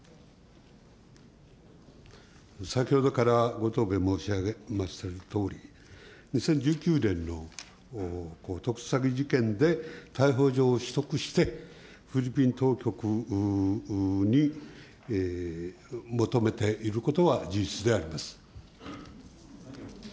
先ほどからご答弁申し上げましたとおり、２０１９年の特殊詐欺事件で逮捕状を取得して、フィリピン当局に求めていることは事実であります。